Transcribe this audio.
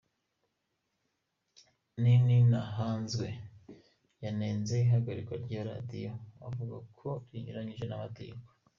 Nininahazwe yanenze ihagarikwa ry’iyo Radiyo avuga ko rinyuranije n’amategeko.